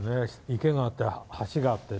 池があって橋があって。